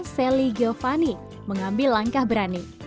sally geovani mengambil langkah berani